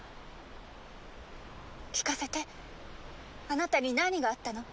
聞かせてあなたに何があったの？